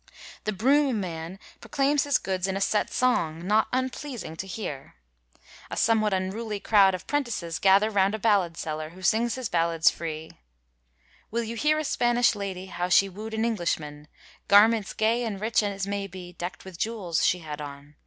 The broom man proclaims his goods in a set song, not unpleasing to hear. A somewhat unruly crowd of 'prentices gather round a ballad seller, who sings his ballads free :' Will yon hear a Spanish lady. How she woo 3d an Englishman f Garments gay and rich as may be, Decked with jewels, she had on.